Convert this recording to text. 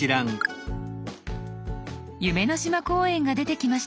「夢の島公園」が出てきました。